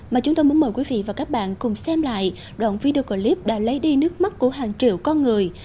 mà chúng tôi muốn mời quý vị và các bạn cùng xem lại đoạn video clip đã lấy đi nước mắt của hàng triệu con người